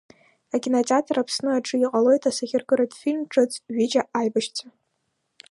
Акинотеатр Аԥсны аҿы иҟалоит асахьаркыратә фильм ҿыц Ҩыџьа аибашьцәа…